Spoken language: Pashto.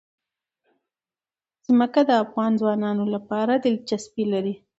ځمکه د افغان ځوانانو لپاره دلچسپي لري.